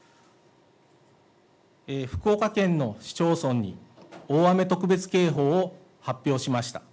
福岡県の市町村に大雨特別警報を発表しました。